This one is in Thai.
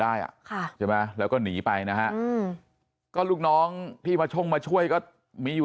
ได้อ่ะค่ะใช่ไหมแล้วก็หนีไปนะฮะอืมก็ลูกน้องที่มาช่งมาช่วยก็มีอยู่